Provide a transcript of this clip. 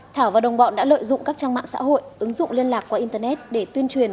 thảo và đồng bọn đã lợi dụng các trang mạng xã hội ứng dụng liên lạc qua internet để tuyên truyền